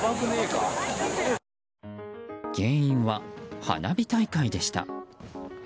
原因は花火大会でした。